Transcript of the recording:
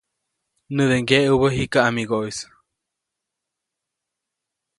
Näde ŋgyeʼubä jikä ʼamigoʼis.